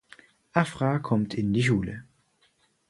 Afra kommt in die Schule.